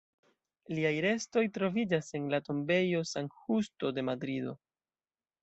Liaj restoj troviĝas en la tombejo San Justo de Madrido.